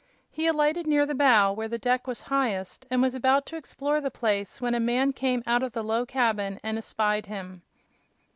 He alighted near the bow, where the deck was highest, and was about to explore the place when a man came out of the low cabin and espied him.